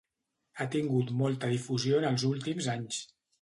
Ha tingut molta difusió en els últims anys.